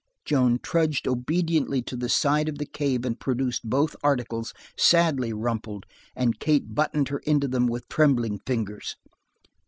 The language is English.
Joan trudged obediently to the side of the cave and produced both articles, sadly rumpled, and Kate buttoned her into them with trembling fingers.